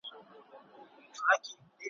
ویل ستوری دي د بخت پر ځلېدو سو `